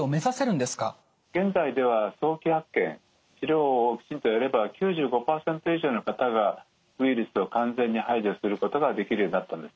現在では早期発見治療をきちんとやれば９５％以上の方がウイルスを完全に排除することができるようになったんですね。